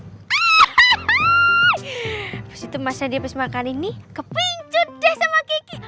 lepas itu mas randy abis makan ini kepingcut deh sama kiki